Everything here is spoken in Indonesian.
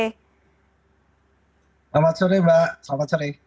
selamat sore mbak selamat sore